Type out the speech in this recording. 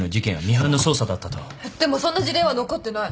でもそんな事例は残ってない。